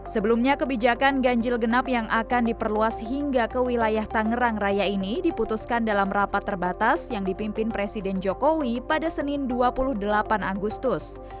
sebelumnya kebijakan ganjil genap yang akan diperluas hingga ke wilayah tangerang raya ini diputuskan dalam rapat terbatas yang dipimpin presiden jokowi pada senin dua puluh delapan agustus